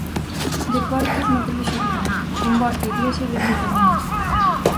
Deportes no Telexornal... con Borja Iglesias de protagonista.